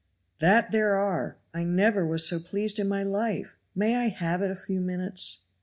"That there are. I never was so pleased in my life. May I have it a few minutes?"